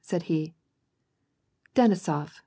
" said he. " Denisof